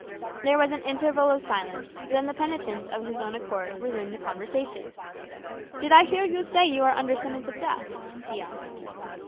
There was an interval of silence, then the penitent of his own accord resumed the conversation. "Did I hear you say you are under sentence of death?" he asked.